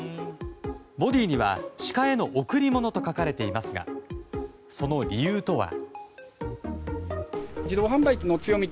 ボディーには「鹿への贈り物」と書かれていますがその理由とは。